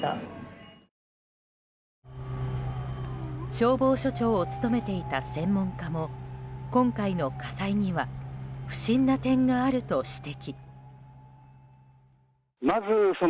消防署長を務めていた専門家も今回の火災には不審な点があると指摘。